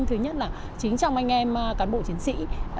thứ nhất là chính trong anh em cán bộ chiến sĩ